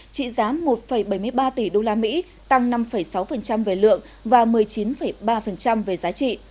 trị giá một bảy mươi ba tỷ usd tăng năm sáu về lượng và một mươi chín ba về giá trị